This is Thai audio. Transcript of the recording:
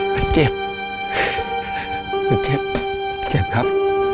มันเจ็บมันเจ็บมันเจ็บครับ